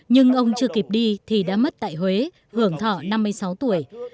nhưng ông chưa kịp đi thì đã mất tại huế hưởng thọ năm mươi sáu tuổi